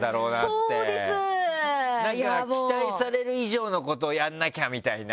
期待される以上のことをやんなきゃみたいな。